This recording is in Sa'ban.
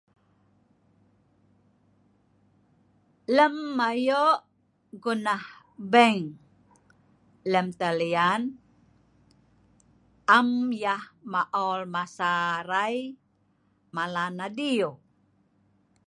lem mayok gunah bank lem talian am yeh maol masa arai malan adiu